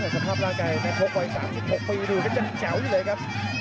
สภาพร่างกายในชกวัย๓๖ปีดูก็จะแจ๋วอยู่เลยครับ